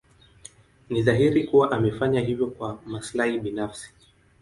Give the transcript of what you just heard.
Ni dhahiri kuwa amefanya hivyo kwa maslahi binafsi.